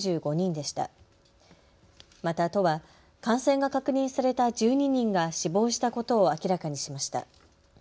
また都は感染が確認された１２人が死亡したことを明らかにしました。